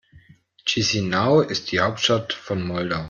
Chișinău ist die Hauptstadt von Moldau.